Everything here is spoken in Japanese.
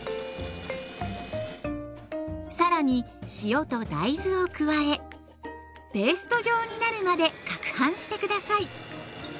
更に塩と大豆を加えペースト状になるまでかくはんして下さい。